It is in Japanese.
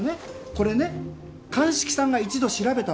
これね鑑識さんが一度調べたものですよね？